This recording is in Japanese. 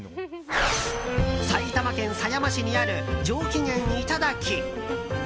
埼玉県狭山市にある上気元いただき。